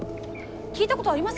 聞いたことありますか？